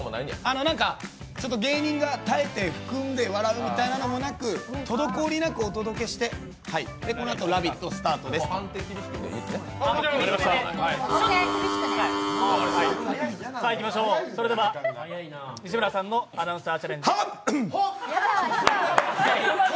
芸人が耐えて含んで笑うみたいなのもなく、滞りなくお届けして、それでは西村さんのアナウンサーチャレンジ。